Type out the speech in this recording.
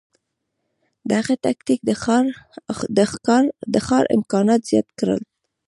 دغه تکتیک د ښکار امکانات زیات کړل.